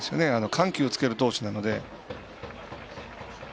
緩急をつける投手なので。